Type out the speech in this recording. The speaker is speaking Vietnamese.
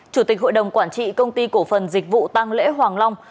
chủ tịch hội đồng quản trị công ty cổ phần dịch vụ tăng lễ hoàng long